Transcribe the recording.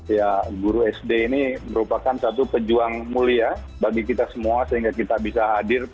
ya guru sd ini merupakan satu pejuang mulia bagi kita semua sehingga kita bisa hadir